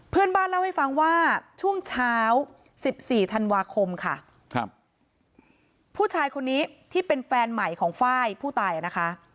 เพื่อนบ้านเล่าให้ฟังว่าช่วงเช้า๑๔ธันวาคมค่ะครับผู้ชายคนนี้ที่เป็นแฟนใหม่ของไฟล์ผู้ตายนะคะ